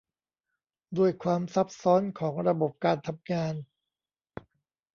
ด้วยความซับซ้อนของระบบการทำงาน